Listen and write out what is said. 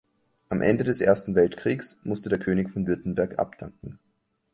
Am Ende des Ersten Weltkriegs musste der König von Württemberg abdanken.